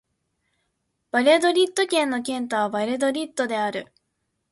バリャドリッド県の県都はバリャドリッドである